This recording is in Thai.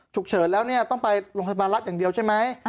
ถูกเฉินแล้วต้องไปลงพัฒนาลักษณ์อย่างเดียวใช่ไหม